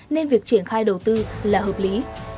nên việc triển khai đầu tư là hợp lý